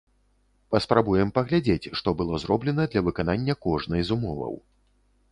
Паспрабуем паглядзець, што было зроблена для выканання кожнай з умоваў.